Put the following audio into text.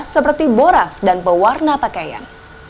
seperti boras dan pewarna pakaian